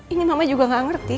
ingin mama juga gak ngerti